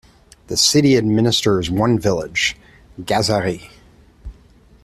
The city administers one village, Găzărie.